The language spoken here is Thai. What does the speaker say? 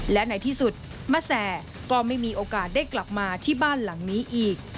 และในที่สุดมะแสก็ไม่มีโอกาสได้กลับมาที่บ้านหลังนี้อีก